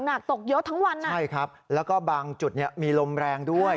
ตกเยอะทั้งวันนะใช่ครับแล้วก็บางจุดเนี่ยมีลมแรงด้วย